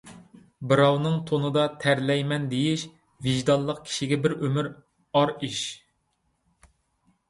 بىراۋنىڭ تونىدا تەرلەيمەن دېيىش، ۋىجدانلىق كىشىگە بىر ئۆمۈر ئار ئىش.